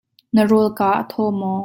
Na rawlka a thaw maw?